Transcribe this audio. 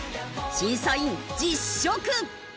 審査員実食！